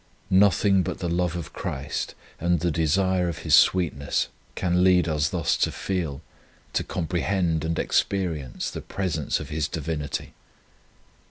Nothing but the love of Christ and the desire of His sweet ness can lead us thus to feel, to comprehend and experience the presence of His Divinity.